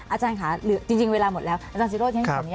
อาจารย์ค่ะจริงเวลาหมดแล้วอาจารย์ศิริโรคที่นี่